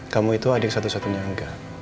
kamu itu adik satu satunya enggak